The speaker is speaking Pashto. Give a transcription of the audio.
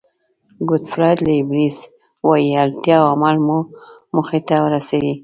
ګوټفراید لیبنېز وایي اړتیا او عمل مو موخې ته رسوي.